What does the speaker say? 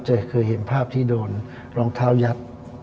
เคยเห็นภาพที่โดนรองเท้ายัด